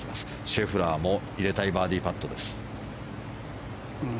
シェフラーも入れたいバーディーパットです。